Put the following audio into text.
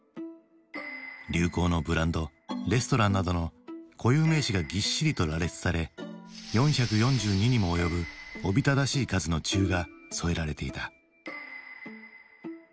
流行のブランドレストランなどの固有名詞がぎっしりと羅列され４４２にも及ぶおびただしい数の注が添えられていた。